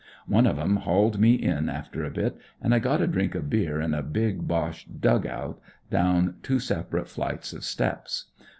One of 'em hauled me in after a bit, and I got a drink of beer in a big Boche dug out, down two separate flights of steps.